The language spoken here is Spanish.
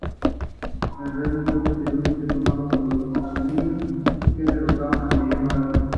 La base Vanda fue conocida por el "The Royal Lake Vanda Swim Club".